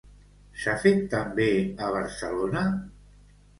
S'ha fet també a Barcelona?